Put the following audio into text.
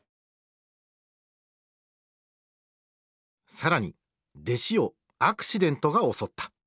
更に弟子をアクシデントが襲った。